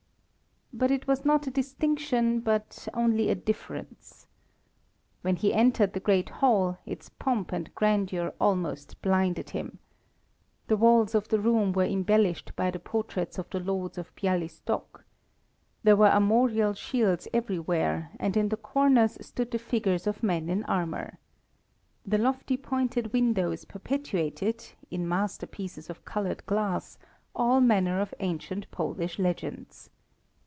But it was not a distinction, but only a difference. When he entered the great hall, its pomp and grandeur almost blinded him. The walls of the room were embellished by the portraits of the Lords of Bialystok. There were armorial shields everywhere, and in the corners stood the figures of men in armour. The lofty pointed windows perpetuated, in masterpieces of coloured glass, all manner of ancient Polish legends.